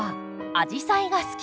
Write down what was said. アジサイが咲く